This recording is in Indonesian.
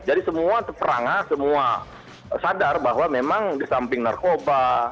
jadi semua terperangah semua sadar bahwa memang disamping narkoba